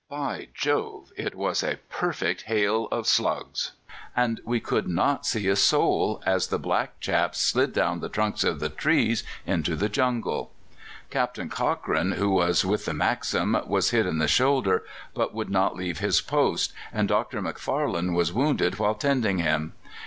By Jove! it was a perfect hail of slugs; and we could not see a soul, as the black chaps slid down the trunks of the trees into the jungle. Captain Cochrane, who was with the Maxim, was hit in the shoulder, but would not leave his post, and Dr. Macfarlane was wounded while tending him.